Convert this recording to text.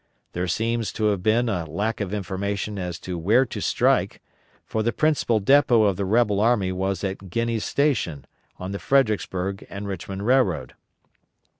There seems to have been a lack of information as to where to strike; for the principal depot of the rebel army was at Guiney's station on the Fredericksburg and Richmond Railroad.